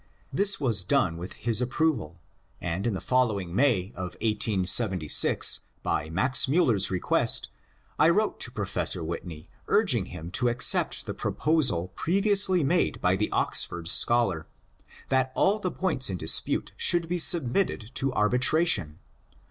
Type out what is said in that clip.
This was done with his approval, and in the following May (1876) by Max Miiller*s request, I wrote to Professor Whitney urging him to accept the proposal previously made by the Oxford scholar, that all the points in dispute should be submitted to arbitration.